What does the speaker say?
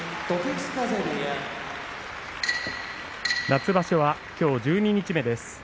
夏場所はきょう十二日目です。